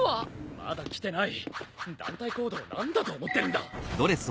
まだ来てない団体行動を何だと思ってるんだ！